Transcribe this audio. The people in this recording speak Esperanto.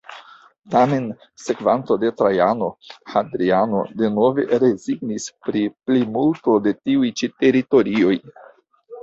Tamen sekvanto de Trajano, Hadriano, denove rezignis pri plimulto de tiuj ĉi teritorioj.